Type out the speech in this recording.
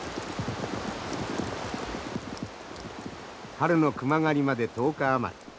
春の熊狩りまで１０日余り。